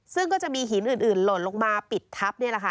ซึ่งก็จะมีหินอื่นหล่นลงมาปิดทับนี่แหละค่ะ